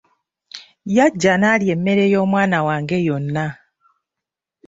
Yajja n’alya emmere y'omwana wange yonna.